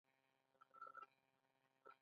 ایا لاسونه مو صابون مینځئ؟